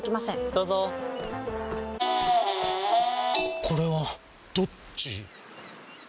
どうぞこれはどっち？